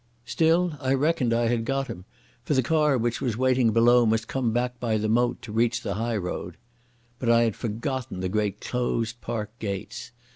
Still I reckoned I had got him, for the car which was waiting below must come back by the moat to reach the highroad. But I had forgotten the great closed park gates.